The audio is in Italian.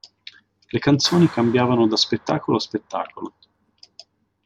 Le canzoni cambiavano da spettacolo a spettacolo.